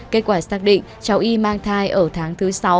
kết quả xác định cháu y mang thai ở tháng thứ sáu